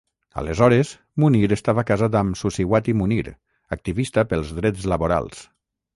Aleshores, Munir estava casat amb Suciwati Munir, activista pels drets laborals.